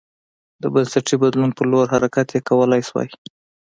د بنسټي بدلون په لور حرکت یې کولای شو